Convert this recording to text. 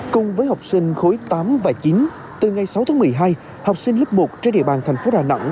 cùng với học sinh khối tám và chín từ ngày sáu tháng một mươi hai học sinh lớp một trên địa bàn thành phố đà nẵng